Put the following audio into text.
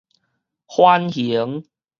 反形